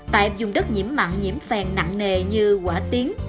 tại dùng đất nhiễm mặn nhiễm phèn nặng nề như quả tiến